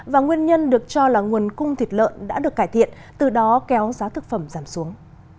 và nguyên nhân được cho là nguồn cung thịt lợn đã được cải thiện từ đó kéo giá thực phẩm giảm xuống